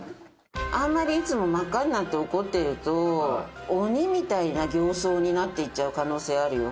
あんまりいつも真っ赤になって怒ってると鬼みたいな形相になっていっちゃう可能性あるよ。